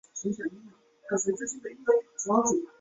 该陨坑的外观类似于月表上发现的其它众多的小撞击坑。